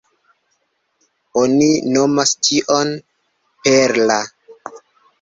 Oni nomas tion "perla".